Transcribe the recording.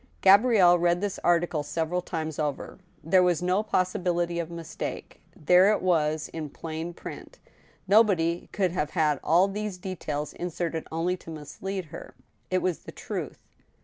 Gabrielle read this article several times over. There was no possibility of mistake ; there it was in plain print. Nobody could have had all these details inserted only to mislead her. It was the truth.